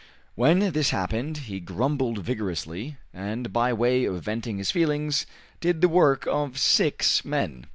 When this happened he grumbled vigorously, and, by way of venting his feelings, did the work of six men.